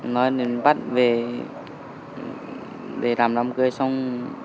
nói nên bắt về để làm làm cười xong